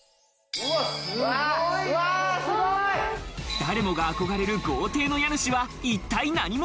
誰もが憧れる豪邸の家主は一体何者？